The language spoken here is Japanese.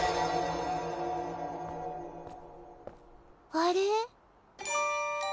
あれ？